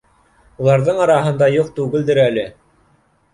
— Уларҙың араһында юҡ түгелдер әле